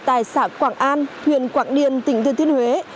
tại xã quảng an huyện quảng điền tỉnh thừa thiên huế